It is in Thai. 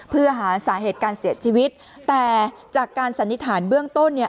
เพื่อหาสาเหตุการเสียชีวิตแต่จากการสันนิษฐานเบื้องต้นเนี่ย